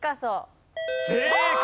正解。